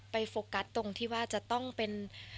โฟกัสตรงที่ว่าจะต้องเป็น